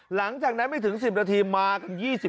หลังจากนั้นไม่ถึง๑๐นาทีมากัน๒๐